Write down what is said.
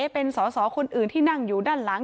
เป็นสอสอคนอื่นที่นั่งอยู่ด้านหลัง